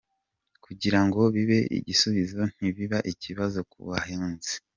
kugirango bibe igisubizo ntibiba ikibazo ku bahinzi.